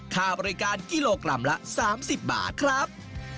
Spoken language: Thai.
ค่าบริการกิโลกรัมละ๓๐บาทครับ